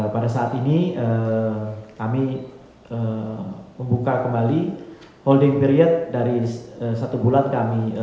pada saat ini kami membuka kembali holding period dari satu bulan kami